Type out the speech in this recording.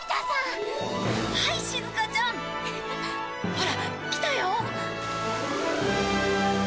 ほらきたよ。